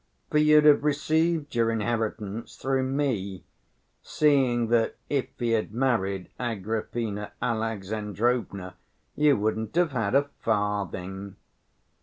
For you'd have received your inheritance through me, seeing that if he had married Agrafena Alexandrovna, you wouldn't have had a farthing."